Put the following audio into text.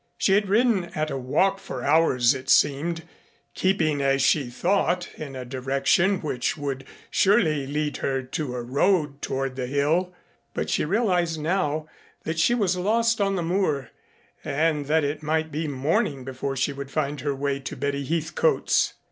She had ridden at a walk for hours it seemed, keeping as she thought in a direction which would surely lead her to a road toward the Hill, but she realized now that she was lost on the moor and that it might be morning before she would find her way to Betty Heathcote's.